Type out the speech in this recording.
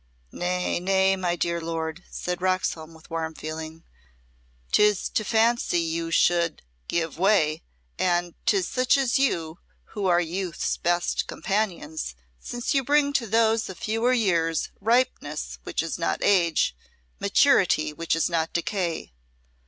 "Nay, nay, my dear lord," said Roxholm with warm feeling, "'tis to fancy you should give way and 'tis such as you who are youths' best companions, since you bring to those of fewer years ripeness which is not age, maturity which is not decay.